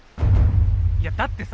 いやだってさ